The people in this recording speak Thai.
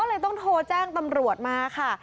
นี่ฮะก็ต้องโทรแจ้งตำรวจมาค่ะ